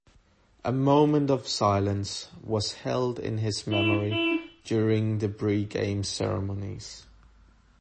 A moment of silence was held in his memory during the pregame ceremonies.